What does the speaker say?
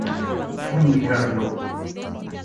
Funghi carnosi.